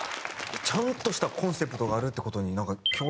ちゃんとしたコンセプトがあるって事に驚愕というか。